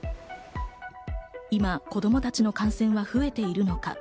今、子供たちの感染は増えているのか。